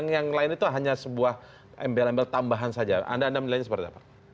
yang lain itu hanya sebuah embel embel tambahan saja anda menilainya seperti apa